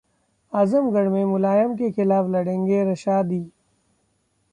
आजमगढ़ में मुलायम के खिलाफ लड़ेंगे रशादी